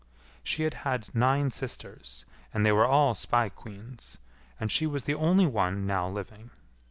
She had had nine sisters, and they were all spae queens, and she was the only one now living.